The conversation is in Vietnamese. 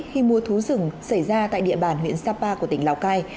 khi mua thú rừng xảy ra tại địa bàn huyện sapa của tỉnh lào cai